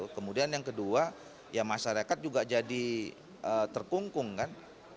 kemudian yang kedua ya masyarakat juga jadi terkungkung kan